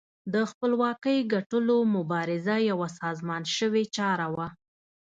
د خپلواکۍ ګټلو مبارزه یوه سازمان شوې چاره وه.